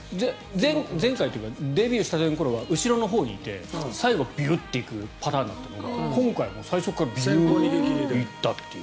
前回というかデビューしたての頃は後ろのほうにいて最後、ビューッていくパターンだったのが今回、最初から行ったという。